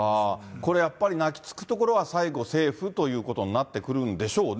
これ、やっぱり泣きつくところは、最後、政府ということなってくるんでしょうね。